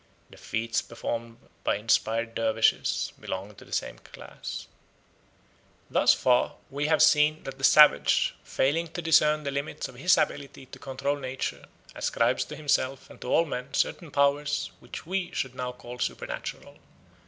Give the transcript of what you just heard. The feats performed by inspired dervishes belong to the same class. Thus far we have seen that the savage, failing to discern the limits of his ability to control nature, ascribes to himself and to all men certain powers which we should now call supernatural.